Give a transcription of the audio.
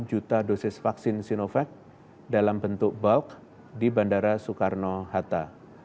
dua puluh juta dosis vaksin sinovac dalam bentuk bulk di bandara soekarno hatta